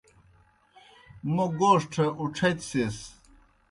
موْ گوݜٹھہ اُڇھتسِس۔